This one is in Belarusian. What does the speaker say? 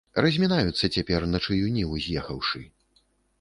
Размінаюцца цяпер на чыю ніву з'ехаўшы.